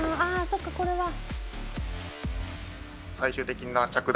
そっかこれは。